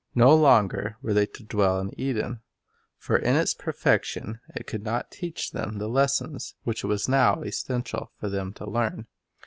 No longer were they to dwell in Eden ; for in its perfection it could not teach them the lessons which it was now essential for them to learn.